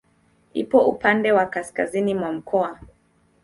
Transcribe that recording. Ipo upande wa kaskazini mwa mkoa.